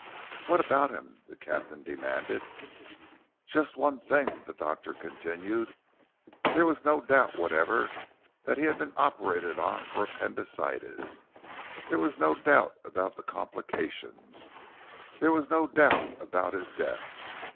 "What about him?" the captain demanded. "Just one thing," the Doctor continued. "There was no doubt whatever that he had been operated upon for appendicitis, there was no doubt about the complications, there was no doubt about his death.